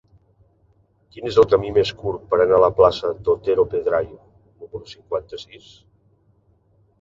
Quin és el camí més curt per anar a la plaça d'Otero Pedrayo número cinquanta-sis?